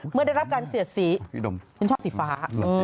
เมื่อได้รับการเสียดสีฉันชอบสีฟ้า